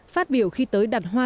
phát biểu khi tới đặt hoa